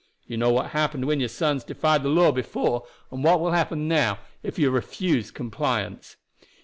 You know what happened when your sons defied the law before, and what will happen now if you refuse compliance."